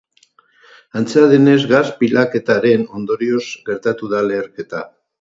Antza denez, gas pilaketaren ondorioz gertatu da leherketa.